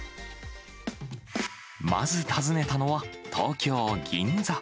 まず訪ねたのは、東京・銀座。